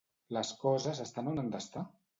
Les coses estan on han d'estar?